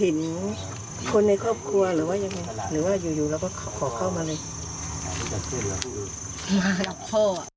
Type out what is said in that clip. มากับพ่อ